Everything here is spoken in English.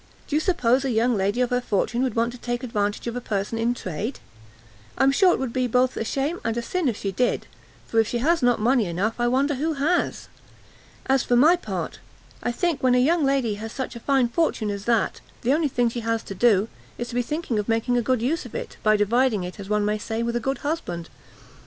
Do you suppose a young lady of her fortune would want to take advantage of a person in trade? I am sure it would be both a shame and a sin if she did, for if she has not money enough, I wonder who has. And for my part, I think when a young lady has such a fine fortune as that, the only thing she has to do, is to be thinking of making a good use of it, by dividing it, as one may say, with a good husband.